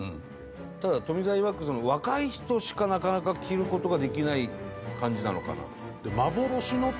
ただ富澤いわく若い人しかなかなか着る事ができない感じなのかなと。